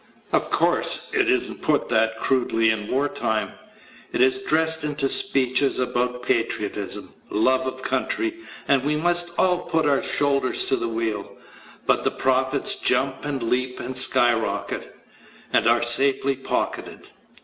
Of course, it isn't put that crudely in war time. It is dressed into speeches about patriotism, love of country, and "we must all put our shoulders to the wheel," but the profits jump and leap and skyrocket and are safely pocketed.